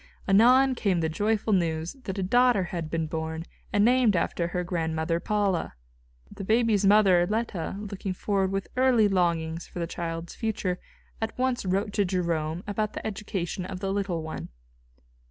Anon came the joyful news that a daughter had been born and named after her grandmother, Paula. The baby's mother, Leta, looking forward with early longings for the child's future, at once wrote to Jerome about the education of the little one.